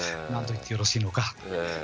何と言ってよろしいのか。